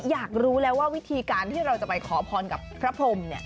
อยากรู้แล้วว่าวิธีการที่เราจะไปขอพรกับพระพรม